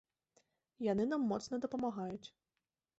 Яны нам моцна дапамагаюць.